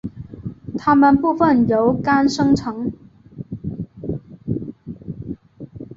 它们部分由肝生成。